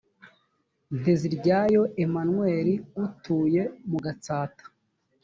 nteziryayo emmanuel utuye mu gatsata